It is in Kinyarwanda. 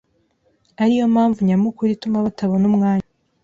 ariyo mpamvu nyamukuru ituma batabona umwanya